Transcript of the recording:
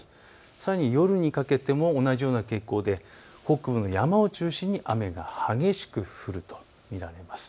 さらに夜にかけても同じような傾向で北部の山を中心に雨が激しく降ると見られます。